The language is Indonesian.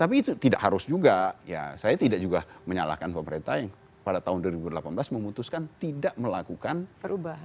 tapi itu tidak harus juga ya saya tidak juga menyalahkan pemerintah yang pada tahun dua ribu delapan belas memutuskan tidak melakukan perubahan